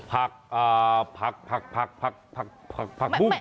ผักผักผักผักบุ้ง